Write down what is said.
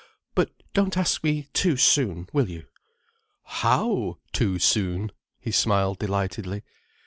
"But don't ask me too soon, will you?" "How, too soon—?" He smiled delightedly.